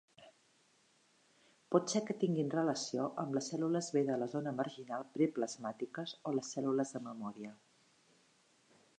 Pot ser que tinguin relació amb les cèl·lules B de la zona marginal preplasmàtiques o les cèl·lules de memòria.